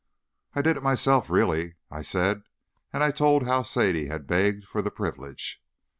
"I did it myself, really," I said; and I told how Sadie had begged for the privilege.